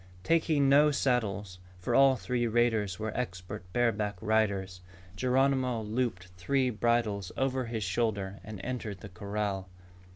Taking no saddles, for all three raiders were expert bareback riders, Geronimo looped three bridles over his shoulder and entered the corral.